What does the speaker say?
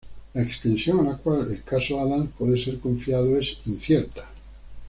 La extensión a la cual el caso "Adams" puede ser confiado es incierta.